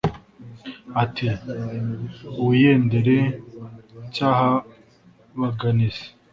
Ati » Wiyendere Ncyahabaganizi